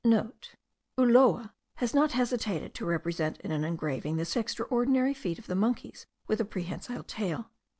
*(* Ulloa has not hesitated to represent in an engraving this extraordinary feat of the monkeys with a prehensile tail.